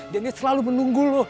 dia selalu menunggu lo